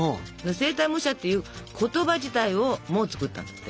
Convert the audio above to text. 声帯模写っていう言葉自体も作ったんだって。